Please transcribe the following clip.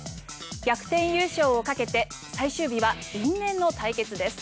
逆転優勝をかけて最終日は因縁の対決です。